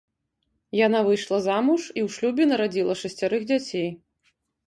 Яна выйшла замуж і ў шлюбе нарадзіла шасцярых дзяцей.